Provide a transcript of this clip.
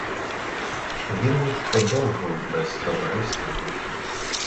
Він міг подовго й без товариства бути.